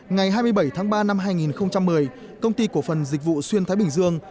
ngày hai mươi bảy tháng ba năm hai nghìn một mươi công ty cổ phần dịch vụ xuyên thái bình dương